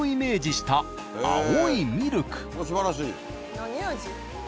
何味？